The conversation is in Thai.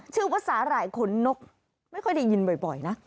สาหร่ายขนนกไม่ค่อยได้ยินบ่อยนะ